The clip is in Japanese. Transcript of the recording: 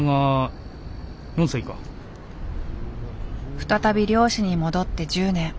再び漁師に戻って１０年。